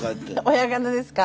親方ですか？